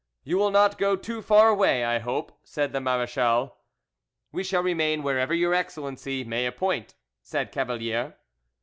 "You will not go too far away, I hope," said the marechal. "We shall remain wherever your excellency may appoint," said Cavalier.